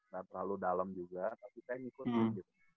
gak terlalu dalem juga tapi saya ngikutin juga ya